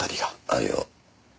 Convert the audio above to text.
あるよ。